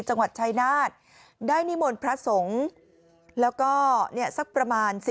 จังหวัดชายนาฏได้นิมนต์พระสงฆ์แล้วก็สักประมาณ